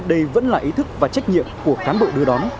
không là ý thức và trách nhiệm của cán bộ đưa đón